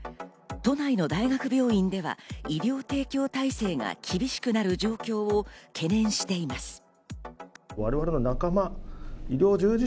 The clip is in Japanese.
都内の大学病院では医療提供体制が厳しくなる状況を懸念しています。